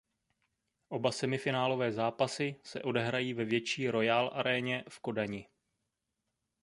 Oba semifinálové zápasy se odehrají ve větší Royal Areně v Kodani.